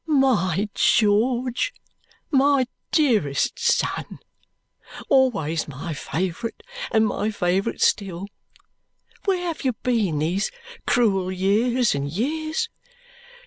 "My George, my dearest son! Always my favourite, and my favourite still, where have you been these cruel years and years?